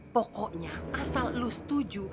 pokoknya asal lu setuju